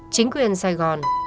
chính quyền sài gòn